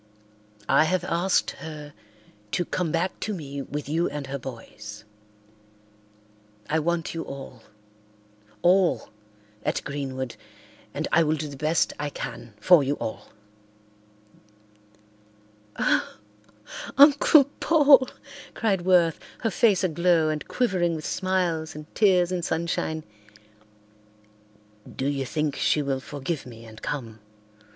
I have asked her to come back to me with you and her boys. I want you all—all—at Greenwood and I will do the best I can for you all." "Oh, Uncle Paul," cried Worth, her face aglow and quivering with smiles and tears and sunshine. "Do you think she will forgive me and come?"